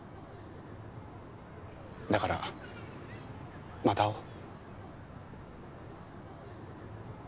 だからまた会おう。